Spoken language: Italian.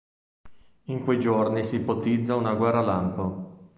In quei giorni si ipotizza una guerra-lampo.